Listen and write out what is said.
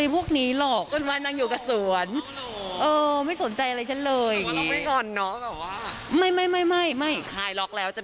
พี่ก๊อตว่ายังไงบ้างคะแบบมีแซว